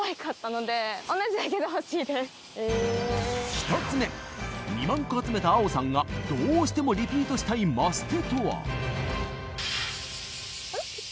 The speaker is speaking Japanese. １つ目２万個集めたあおさんがどうしてもリピートしたいマステとは？